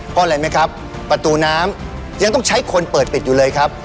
เพราะอะไรไหมครับประตูน้ำยังต้องใช้คนเปิดปิดอยู่เลยครับ